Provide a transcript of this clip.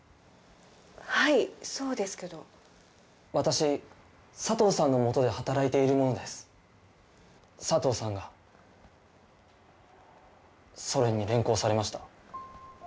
はいそうですけど私佐藤さんのもとで働いている者です佐藤さんがソ連に連行されました